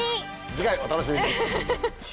次回お楽しみに！